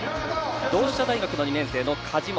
同志社大学２年生の梶本。